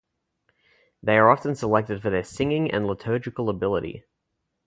They are often selected for their singing and liturgical ability.